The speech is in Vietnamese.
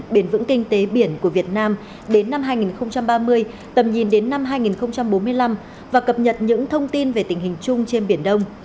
biển vững kinh tế biển của việt nam đến năm hai nghìn ba mươi tầm nhìn đến năm hai nghìn bốn mươi năm và cập nhật những thông tin về tình hình chung trên biển đông